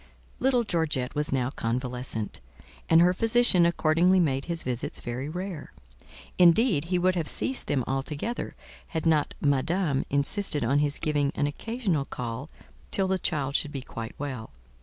Little Georgette was now convalescent; and her physician accordingly made his visits very rare: indeed, he would have ceased them altogether, had not Madame insisted on his giving an occasional call till the child should be quite well.